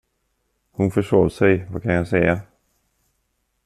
Hon försov sig, vad kan jag säga?